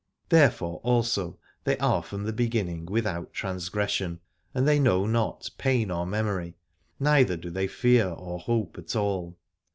There fore also they are from the beginning without transgression, and they know not pain or memory, neither do they fear or hope at all.